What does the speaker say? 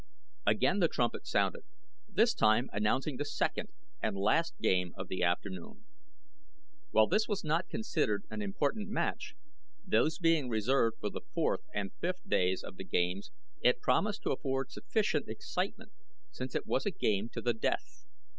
Again the trumpet sounded, this time announcing the second and last game of the afternoon. While this was not considered an important match, those being reserved for the fourth and fifth days of the games, it promised to afford sufficient excitement since it was a game to the death.